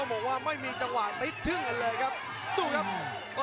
แชลเบียนชาวเล็ก